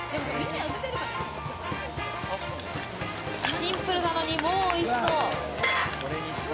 シンプルなのに、もうおいしそう。